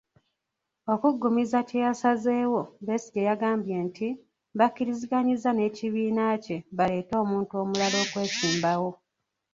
Okuggumiza kye yasazzeewo, Besigye yagambye nti, bakkiriziganyizza n’ekibiina kye baleete omuntu omulala okwesimbawo.